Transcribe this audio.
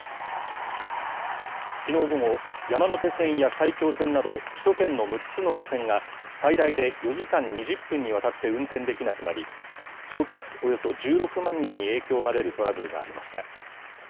きのう午後、山手線や埼京線など首都圏の６つの路線が最大で４時間２０分にわたって運転できなくなり、乗客およそ１６万人に影響が出るトラブルがありました。